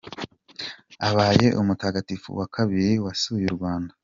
Abaye umutagatifu wa kabiri wasuye u Rwanda.